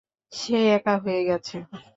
সে একা হয়ে গেছে।